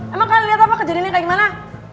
emang kalian lihat apa kejadiannya kayak gimana